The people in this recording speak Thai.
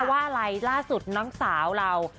ว่าอะไรล่าสุดน้องสาวเรา